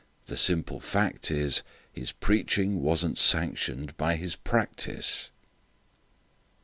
The simple fact is, His preaching was n't sanctioned by his practice.